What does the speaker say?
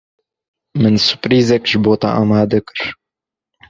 Min surprîzek ji bo te amade kir.